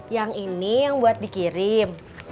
yang ini yang buat dikirim